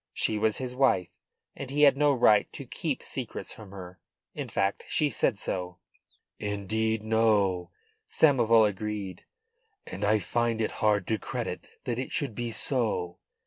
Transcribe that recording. She was his wife, and he had no right to keep secrets from her. In fact she said so. "Indeed no," Samoval agreed. "And I find it hard to credit that it should be so."